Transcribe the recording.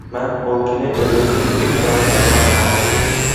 مەن بولكىنى ئېلىۋېتىپ ئىنتايىن ھەيران قالدىم.